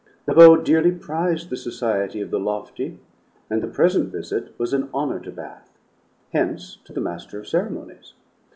The Beau dearly prized the society of the lofty, and the present visit was an honor to Bath: hence to the Master of Ceremonies.